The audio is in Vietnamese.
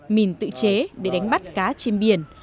mìn tự chế để đánh bắt cá trên biển